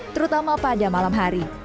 terutama pada malam hari